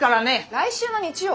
来週の日曜？